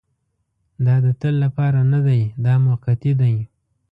دا د تل لپاره نه دی دا موقتي دی.